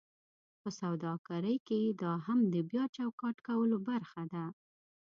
په سوداګرۍ کې دا هم د بیا چوکاټ کولو برخه ده: